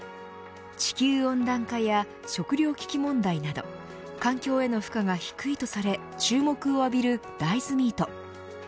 地球温暖化や食糧危機問題など環境への負荷が低いとされ注目を浴びる大豆ミート。